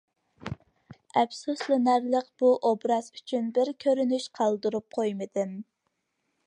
ئەپسۇسلىنارلىقى بۇ ئوبراز ئۈچۈن بىر كۆرۈنۈش قالدۇرۇپ قويمىدىم.